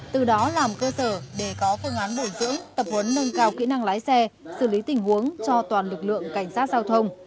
từ đó làm cơ sở để có phương án bồi dưỡng tập huấn nâng cao kỹ năng lái xe xử lý tình huống cho toàn lực lượng cảnh sát giao thông